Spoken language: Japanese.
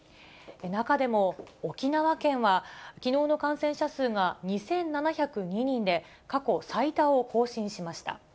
中でも沖縄県は、きのうの感染者数が２７０２人で、過去最多を更新しました。